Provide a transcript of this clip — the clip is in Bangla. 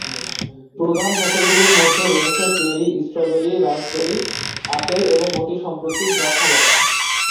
প্রধান ফসলগুলির মধ্যে রয়েছে চেরি, স্ট্রবেরি, রাস্পবেরি, আপেল এবং অতি সম্প্রতি দ্রাক্ষালতা।